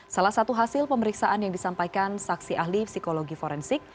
salah satu hasil pemeriksaan yang disampaikan saksi ahli psikologi forensik